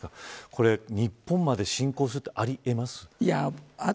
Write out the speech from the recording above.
これ、日本まで侵攻することはあり得ますか。